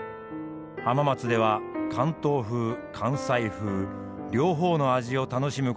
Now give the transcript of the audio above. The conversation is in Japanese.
浜松では関東風関西風両方の味を楽しむことができるんです。